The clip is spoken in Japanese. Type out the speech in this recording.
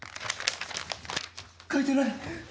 書いてない！？